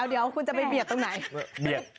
เดี๋ยวคุณจะไปเบียนตรงไหน